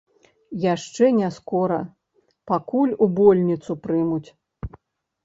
Яшчэ не скора, пакуль у больніцу прымуць.